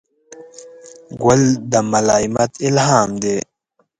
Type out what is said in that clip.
ګل د ملایمت الهام دی.